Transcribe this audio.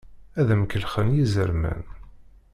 Ad d-am-kellxen yizerman.